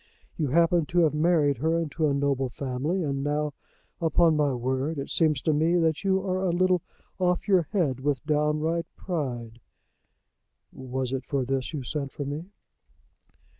You happen to have married her into a noble family, and now, upon my word, it seems to me that you are a little off your head with downright pride." "Was it for this you sent for me?"